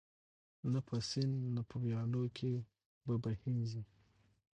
نه په سیند نه په ویالو کي به بهیږي